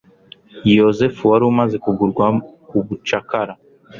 Yozefu wari umaze kugurwa bucakara